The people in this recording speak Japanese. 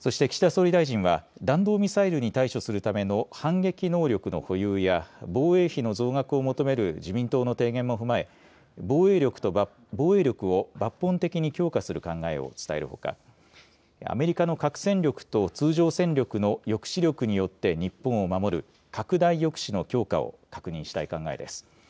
そして岸田総理大臣は弾道ミサイルに対処するための反撃能力の保有や防衛費の増額を求める自民党の提言も踏まえ防衛力を抜本的に強化する考えを伝えるほかアメリカの核戦力と通常戦力の抑止力によって日本を守る拡大抑止の強化を確認したい考えです。